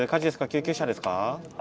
救急車ですか？